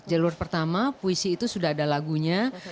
jalur pertama puisi itu sudah ada lagunya